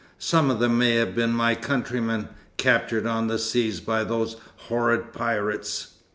Some of them may have been my countrymen, captured on the seas by those horrid pirates."